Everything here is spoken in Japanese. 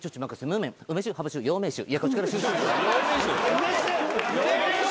梅酒？